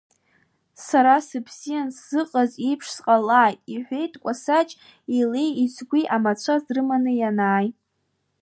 Сара сыбзиан сзыҟаз еиԥш сҟалааит, — иҳәеит Қәасаџь илеи ицгәи амацәаз рыманы ианааи.